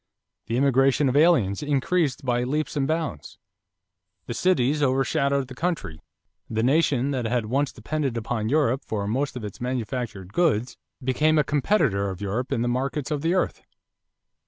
The immigration of aliens increased by leaps and bounds. The cities overshadowed the country. The nation that had once depended upon Europe for most of its manufactured goods became a competitor of Europe in the markets of the earth.